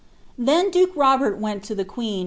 Then duke Robert went to the qneea!